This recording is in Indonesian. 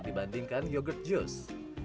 dibandingkan yogurt juice